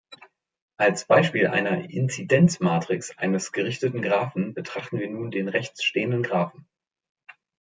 Als Beispiel einer Inzidenzmatrix eines gerichteten Graphen betrachten wir nun den rechts stehenden Graphen.